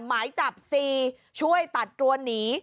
หมายจับ๔ช่วยตัดตัวหนี